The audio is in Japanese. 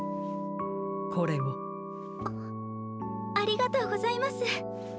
ありがとうございます。